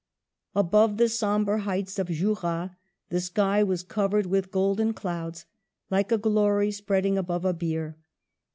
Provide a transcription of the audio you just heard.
Above the sombre heights of Jura the sky was covered with golden clouds "like a glory spreading above a bier."